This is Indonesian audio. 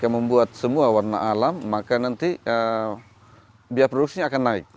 yang membuat semua warna alam maka nanti biaya produksinya akan naik